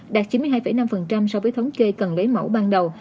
đạt chín mươi hai năm so với thống kê cần lấy mẫu ban đầu